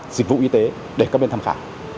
dịch vụ y tế để các bên tham khảo